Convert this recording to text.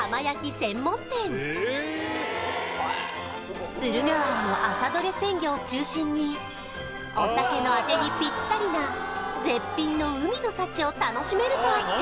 専門店駿河湾の朝どれ鮮魚を中心にお酒のアテにぴったりな絶品の海の幸を楽しめるとあって